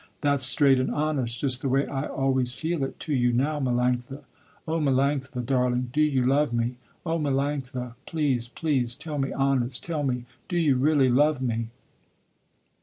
That's straight and honest just the way I always feel it to you now Melanctha. Oh Melanctha, darling, do you love me? Oh Melanctha, please, please, tell me honest, tell me, do you really love me?"